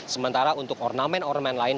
sementara untuk ornamen ornamen lain